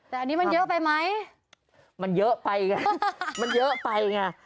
แต่อันนี้มันเยอะไปไหมมันเยอะไปไงมันเยอะไปไง